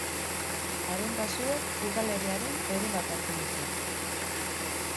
Haren basoek udalerriaren heren bat hartzen dute.